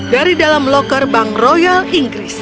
dari dalam locker bank royal inggris